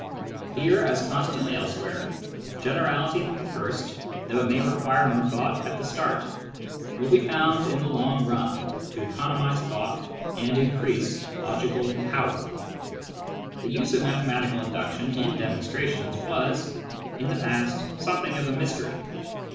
Here as constantly elsewhere, generality from the first, though it may Finitude and Mathematical Induction 27 require more thought at the start, will be found in the long run to economise thought and inrrpas p logical _gower. The use of mathematical induction in demonstrations was, in the past, something of a mystery.